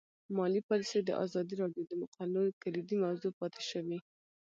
مالي پالیسي د ازادي راډیو د مقالو کلیدي موضوع پاتې شوی.